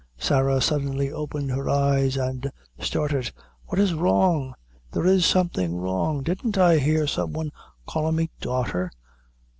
Sarah suddenly opened her eyes, and started. "What is wrong? There is something wrong. Didn't I hear some one callin' me daughter?